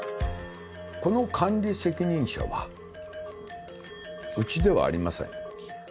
この管理責任者はうちではありません。